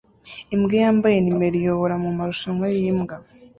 Imbwa yambaye numero iyobora mumarushanwa yimbwa